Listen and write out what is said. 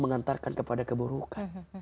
mengantarkan kepada keburukan